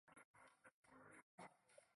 是汪精卫政权中在南京受审的第一个人。